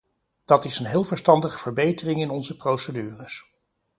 Dat is een heel verstandige verbetering in onze procedures.